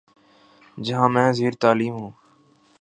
جہاں میں زیرتعلیم ہوں